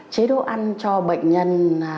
chế độ ăn cho bệnh nhân